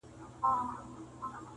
د بازانو د حملو کیسې کېدلې!